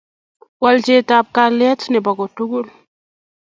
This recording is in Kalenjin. wechetab kalyet nebo kotugul